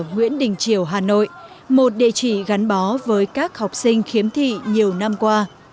nguyễn đình triều hà nội một địa chỉ gắn bó với các học sinh khiếm thị nhiều năm qua